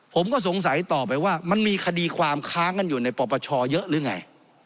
ผมก็สงสัยต่อไปว่ามันมีคดีความค้างกันอยู่ในปปชเยอะหรือไง